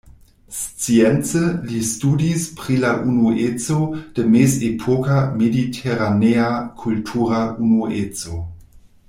Science li studis pri la unueco de mezepoka mediteranea kultura unueco.